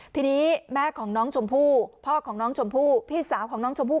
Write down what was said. ทีนี้แม่ของน้องชมพู่พ่อของน้องชมพู่พี่สาวของน้องชมพู่